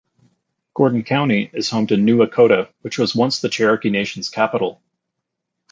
Gordon County is home to New Echota, which was once the Cherokee Nation's capital.